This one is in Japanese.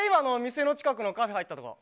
店の近くのカフェ入ったところ。